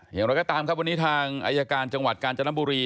อย่างไรก็ตามครับวันนี้ทางอายการจังหวัดกาญจนบุรี